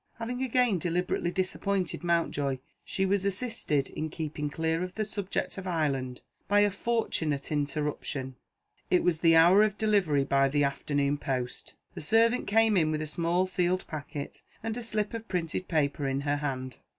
Having again deliberately disappointed Mountjoy, she was assisted in keeping clear of the subject of Ireland by a fortunate interruption. It was the hour of delivery by the afternoon post. The servant came in with a small sealed packet, and a slip of printed paper in her hand.